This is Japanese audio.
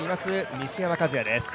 西山和弥です。